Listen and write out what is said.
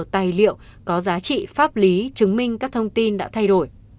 tài liệu có giá trị pháp lý chứng minh các thông tin đã thay đổi